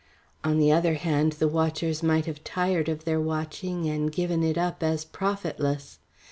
On the other hand, the watchers might have tired of their watching and given it up as profitless.